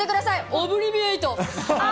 オブリビエート。